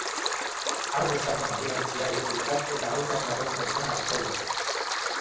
Har dezagun anbulantzia iturritzat eta autoan dagoen pertsona hartzailetzat.